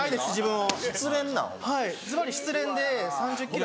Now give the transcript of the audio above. はいずばり失恋で３０ｋｇ。